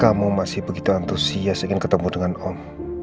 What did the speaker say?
kamu masih begitu antusias ingin ketemu dengan om